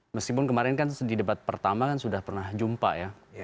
meskipun kemarin kan di debat pertama kan sudah pernah jumpa ya